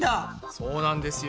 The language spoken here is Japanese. そうなんですよ。